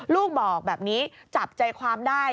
ลูกบอกแบบนี้จับใจความได้